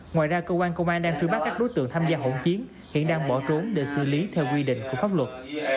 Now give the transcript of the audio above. ngoài ra cơ quan công an đang truy bắt các đối tượng tham gia hỗn chiến hiện đang bỏ trốn để xử lý theo quy định của pháp luật